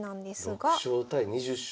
６勝対２０勝。